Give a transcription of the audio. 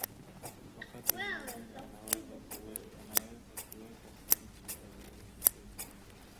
wakati mwingine anaweza kuweka sauti aliyoirekodi